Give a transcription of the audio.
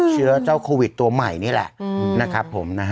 เชื้อเจ้าโควิดตัวใหม่นี่แหละนะครับผมนะฮะ